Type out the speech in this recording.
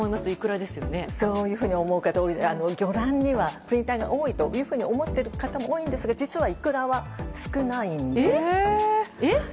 そう思う方、多くて魚卵にはプリン体が多いと思っている方も多いんですが実はイクラは少ないんです。